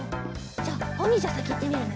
じゃあおにんじゃさきいってみるね。